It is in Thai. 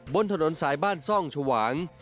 บนถนนสายบ้านซ่องชวาง